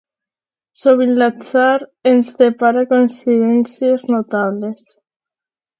Sovint l'atzar ens depara coincidències notables.